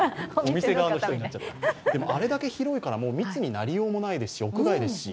あれだけ広いから、密になりようもないですし、屋外ですし。